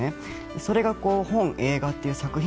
それが本、映画という作品